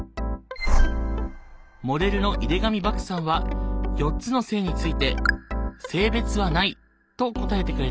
モデルの井手上漠さんは４つの性について性別は無いと答えてくれたよ。